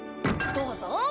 どうぞ。